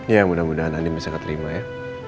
ya mudah mudahan andin bisa keterima ya